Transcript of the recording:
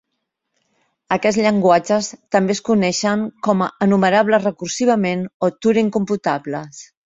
Aquests llenguatges també es coneixen com a "enumerables recursivament" o "Turing-computables".